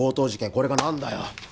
これが何だよ？